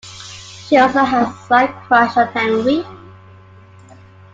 She also has a slight crush on Henry.